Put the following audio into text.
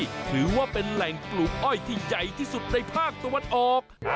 ถือว่าเป็นแหล่งปลูกอ้อยที่ใหญ่ที่สุดในภาคตะวันออก